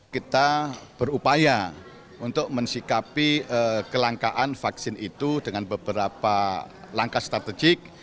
kita berupaya untuk mensikapi kelangkaan vaksin itu dengan beberapa langkah strategik